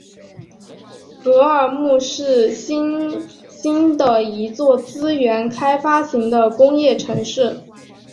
格尔木是新兴的一座资源开发型的工业城市。